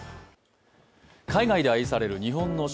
海外で愛される日本の食